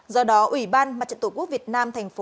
do đó ủy ban mặt trận tổ quốc việt nam tp hà nội cho biết